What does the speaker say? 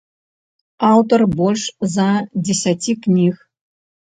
Аўтар больш за дзесяці кніг.